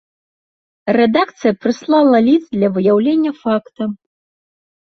Рэдакцыя прыслала ліст для выяўлення факта.